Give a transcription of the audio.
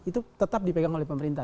itu tetap dipegang oleh pemerintah